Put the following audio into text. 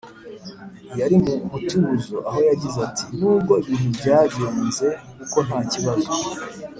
yari mu mutuzo aho yagize ati “nubwo ibintu byagenze ukontakibazo